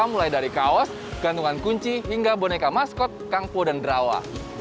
mulai dari kaos gantungan kunci hingga boneka maskot kangpo dan drawa